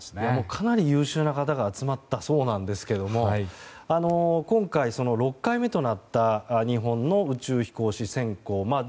かなり優秀な方が集まったそうなんですが今回、６回目となった日本の宇宙飛行士選考。